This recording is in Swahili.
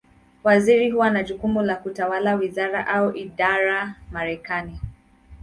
Waziri huwa na jukumu la kutawala wizara, au idara Marekani.